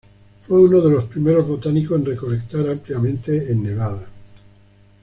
Fue uno de los primeros botánicos en recolectar ampliamente en Nevada.